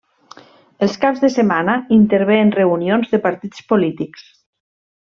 Els caps de setmana intervé en reunions de partits polítics.